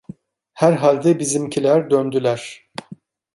Herhalde bizimkiler döndüler.